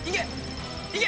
いけ！